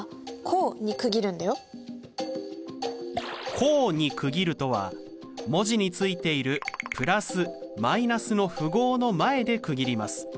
「項に区切る」とは文字についているプラスマイナスの符号の前で区切ります。